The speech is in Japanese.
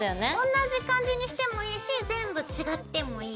同じ感じにしてもいいし全部違ってもいいし好きなように。